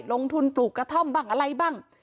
ลงทุนปลูกกระท่อมบ้างอะไรบ้าง